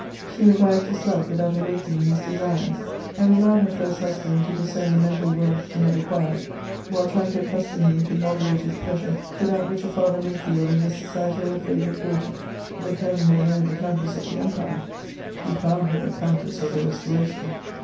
She revived his love without awakening his desires, and allowed her first husband to discern the mental wealth she had acquired while trying to accustom him to moderate his pleasure to that which a father may feel in the society of a favorite daughter. The Colonel had known the Countess of the Empire; he found her a Countess of the Restoration.